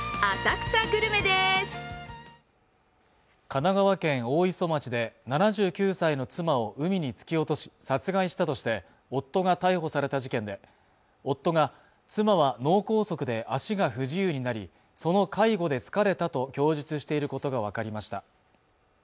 神奈川県大磯町で７９歳の妻を海に突き落とし殺害したとして夫が逮捕された事件で夫が妻は脳梗塞で足が不自由になりその介護で疲れたと供述していることが分かりました